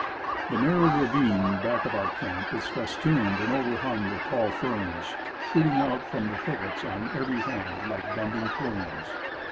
The narrow ravine back of our camp is festooned and over hung Avith tall ferns, shooting out from the thickets on either hand like bending plumes.